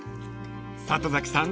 ［里崎さん